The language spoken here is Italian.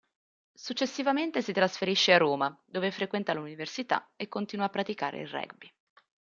Successivamente si trasferisce a Roma dove frequenta l'Università e continua a praticare il rugby.